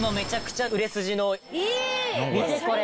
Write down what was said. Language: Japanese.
見てこれ。